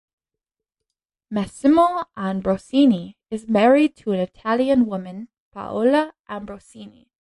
Massimo Ambrosini is married to an Italian woman, Paola Ambrosini.